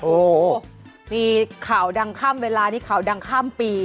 โอ้โหมีข่าวดังข้ามเวลานี้ข่าวดังข้ามปี